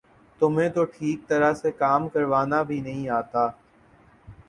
تمہیں تو ٹھیک طرح سے کام کروانا بھی نہیں آتا